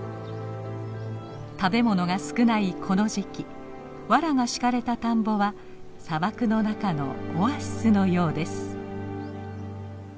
食べ物が少ないこの時期わらが敷かれた田んぼは砂漠の中のオアシスのようです。